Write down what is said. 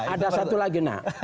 ada satu lagi